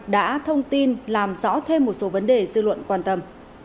đã thông tin làm rõ thêm một số vấn đề dư luận quan tâm